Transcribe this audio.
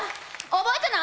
覚えてな！